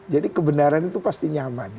jadi kebenaran itu pasti nyaman